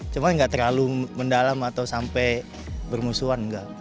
cuman gak terlalu mendalam atau sampai bermusuhan gak